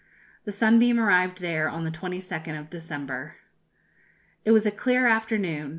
The Sunbeam arrived there on the 22nd of December. "It was a clear afternoon.